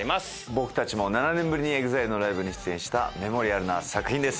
僕たちも７年ぶりにＥＸＩＬＥのライブに出演したメモリアルな作品です。